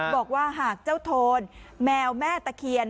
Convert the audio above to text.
บอกว่าหากเจ้าโทนแมวแม่ตะเคียน